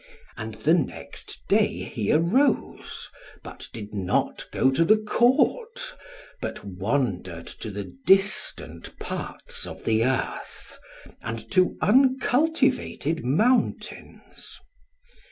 And the next day he arose, but did not go to the Court, but wandered to the distant parts of the earth, and to uncultivated mountains.